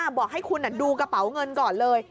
บอกให้คุณดูกระเป๋าเงินก่อนเลย